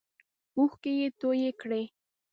اوښکې یې تویی کړې.